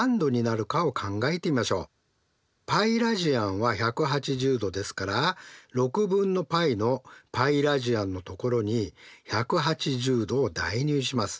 πラジアンは１８０°ですから６分のπのπラジアンのところに１８０°を代入します。